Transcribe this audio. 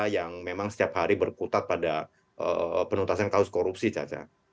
yang memang setiap hari berkutat pada penuntasan kasus korupsi caca